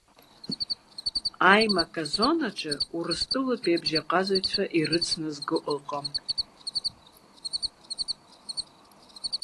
Аимак азонаҿы Урыстәылатәи абжьаҟазацәа ирыцназго ыҟам.